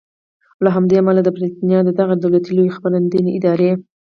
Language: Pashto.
او له همدې امله د بریټانیا د دغې دولتي لویې خپرندویې ادارې